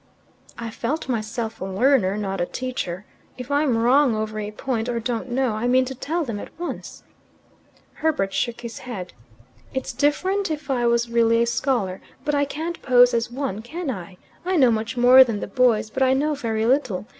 "I felt myself a learner, not a teacher. If I'm wrong over a point, or don't know, I mean to tell them at once." Herbert shook his head. "It's different if I was really a scholar. But I can't pose as one, can I? I know much more than the boys, but I know very little.